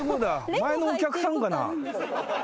前のお客さんかな。